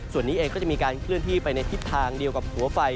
ส่วนนี้เองก็จะมีการเคลื่อนที่ไปในทิศทางเดียวกับหัวไฟ